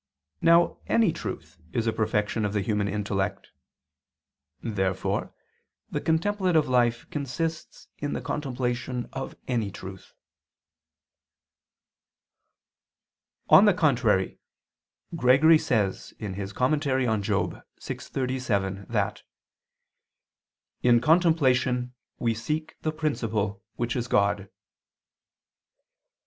Now any truth is a perfection of the human intellect. Therefore the contemplative life consists in the contemplation of any truth. On the contrary, Gregory says (Moral. vi, 37) that "in contemplation we seek the principle which is God."